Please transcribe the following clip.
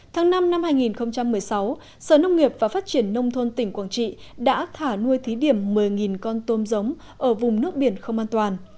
tháng năm năm hai nghìn một mươi sáu sở nông nghiệp và phát triển nông thôn tỉnh quảng trị đã thả nuôi thí điểm một mươi con tôm giống ở vùng nước biển không an toàn